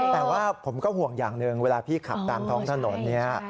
แต่ว่าผมก็ห่วงอย่างหนึ่งเวลาพี่ขับตามท้องถนนเนี่ย